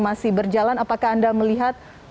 masih berjalan apakah anda melihat